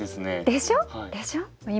でしょ？でしょ。